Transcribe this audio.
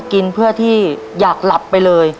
กินเพื่อที่อยากหลับไปเลย